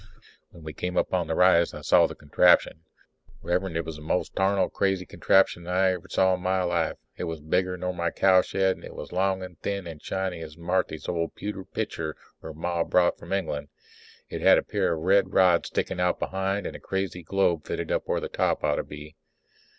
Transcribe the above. When we came up on the rise I saw the contraption. Rev'rend, it was the most tarnal crazy contraption I ever saw in my life. It was bigger nor my cowshed and it was long and thin and as shiny as Marthy's old pewter pitcher her Ma brought from England. It had a pair of red rods sticking out behind and a crazy globe fitted up where the top ought to be.